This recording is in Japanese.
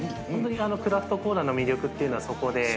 クラフトコーラの魅力っていうのはそこで。